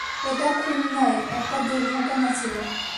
এটা খুন নয়, একটা দুর্ঘটনা ছিল।